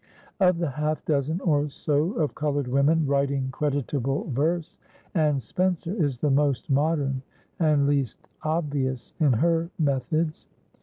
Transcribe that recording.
Of the half dozen or so of colored women writing creditable verse, Anne Spencer is the most modern and least obvious in her methods.